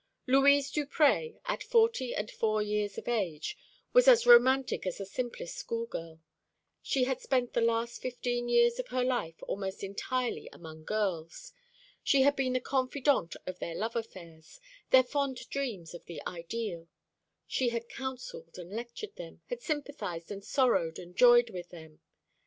Louise Duprez, at four and forty years of age, was as romantic as the simplest schoolgirl. She had spent the last fifteen years of her life almost entirely among girls. She had been the confidante of their love affairs, their fond dreams of the ideal; she had counselled and lectured them, had sympathised and sorrowed and joyed with them.